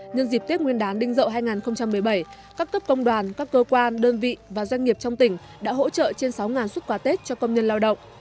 nhân dịp tết nguyên đán đinh rậu hai nghìn một mươi bảy các cấp công đoàn các cơ quan đơn vị và doanh nghiệp trong tỉnh đã hỗ trợ trên sáu xuất quà tết cho công nhân lao động